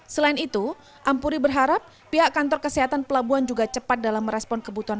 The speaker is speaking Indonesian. selain itu ampuri berharap pihak kantor kesehatan pelabuhan juga cepat dalam merespon kebutuhan